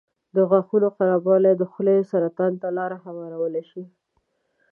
د غاښونو خرابوالی د خولې سرطان ته لاره هوارولی شي.